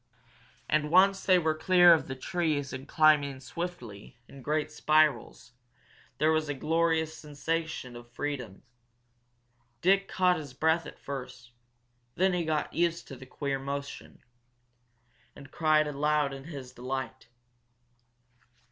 And once they were clear of the trees and climbing swiftly, in great spirals, there was a glorious sensation of freedom. Dick caught his breath at first, then he got used to the queer motion, and cried aloud in his delight.